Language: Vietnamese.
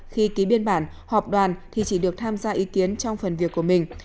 khi ký biên bản họp đoàn thì chỉ được tham gia ý kiến trong phần việc của mình